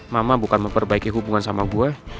mama bukan memperbaiki hubungan sama gue